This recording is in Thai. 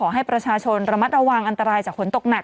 ให้ประชาชนระมัดระวังอันตรายจากฝนตกหนัก